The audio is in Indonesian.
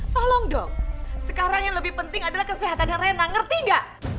tolong dong sekarang yang lebih penting adalah kesehatan riana ngerti gak